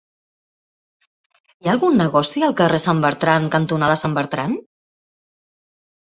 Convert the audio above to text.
Hi ha algun negoci al carrer Sant Bertran cantonada Sant Bertran?